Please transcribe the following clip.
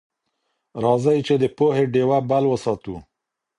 راځئ چي د پوهي ډيوه بل وساتو.